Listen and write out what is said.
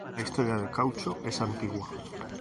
La historia del caucho es antigua.